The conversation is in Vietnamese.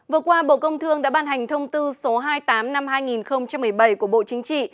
vừa qua bộ công thương đã ban hành thông tư số hai mươi tám năm hai nghìn một mươi bảy của bộ chính trị